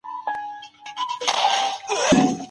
کتاب د انسان د علم لپاره وسیله ده.